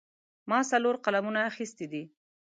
ما څلور قلمونه اخیستي دي.